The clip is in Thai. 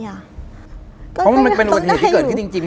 ก็มันต้องได้อยู่ใช่เพราะมันเป็นอุดเหตุที่เกิดขึ้นจริง